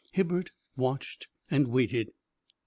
Hibbert watched and waited.